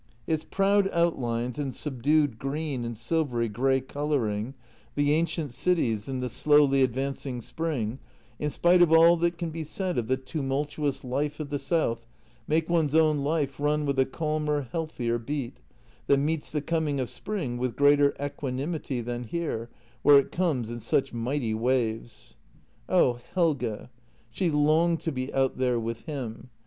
Its proud outlines and subdued green and silvery grey colouring, the 121 122 JENNY ancient cities and the slowly advancing spring — in spite of all that can be said of the tumultuous life of the south — make one's own life run with a calmer, healthier beat, that meets the coming of spring with greater equanimity than here, where it comes in such mighty waves. Oh, Helge! She longed to be out there with him.